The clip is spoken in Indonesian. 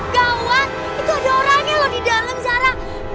gawat itu ada orangnya loh di dalam zara